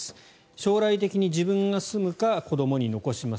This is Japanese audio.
将来的に自分が住むか子どもに残します。